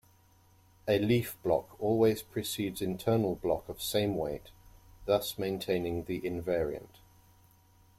A leaf block always precedes internal block of same weight, thus maintaining the invariant.